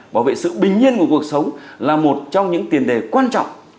bảo vệ sự bình yên của cuộc sống là một trong những tiền đề quan trọng